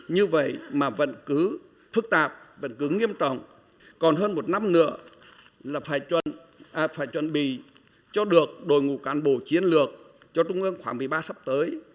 như vậy mà vận cứu phức tạp vận cứu nghiêm trọng còn hơn một năm nữa là phải chuẩn bị cho được đội ngũ cán bộ chiến lược cho trung ương khoảng một mươi ba sắp tới